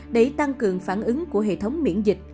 để tăng cường phản ứng của hệ thống miễn dịch